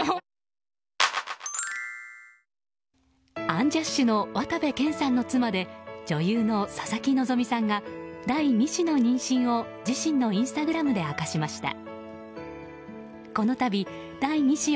アンジャッシュの渡部建さんの妻で女優の佐々木希さんが第２子の妊娠を自身のインスタグラムで明かしました。